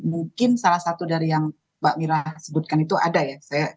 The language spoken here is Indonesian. mungkin salah satu dari yang mbak mira sebutkan itu ada ya